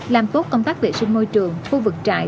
làm tốt công tác vệ sinh môi trường khu vực trại